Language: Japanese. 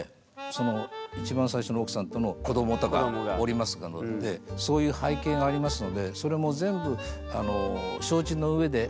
その一番最初の奥さんとの子どもがおりますのでそういう背景がありますのでそれも全部承知の上で。